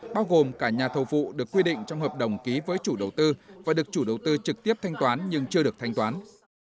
bao gồm cả nhà thầu vụ được quy định trong hợp đồng ký với chủ đầu tư và được chủ đầu tư trực tiếp thanh toán nhưng chưa được thanh toán